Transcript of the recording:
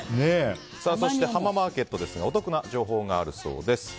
そして浜マーケットのお得な情報があるそうです。